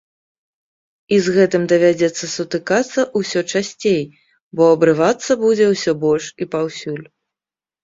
І з гэтым давядзецца сутыкацца ўсё часцей, бо абрывацца будзе ўсё больш і паўсюль.